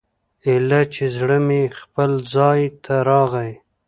ايله چې زړه مې خپل ځاى ته راغى.